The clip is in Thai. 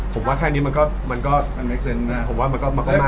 ผมว่าแค่นี้มันก็มากแล้วนะครับ